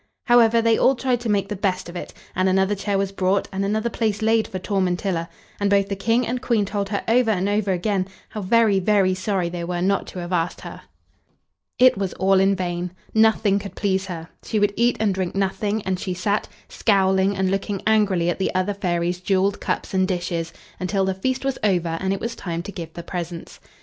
However, they all tried to make the best of it, and another chair was brought, and another place laid for Tormentilla; and both the King and Queen told her over and over again how very, very sorry they were not to have asked her. It was all in vain. Nothing could please her; she would eat and drink nothing, and she sat, scowling and looking angrily at the other fairies' jeweled cups and dishes, until the feast was over, and it was time to give the presents.